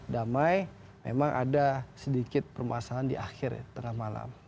damai memang ada sedikit permasalahan di akhir tengah malam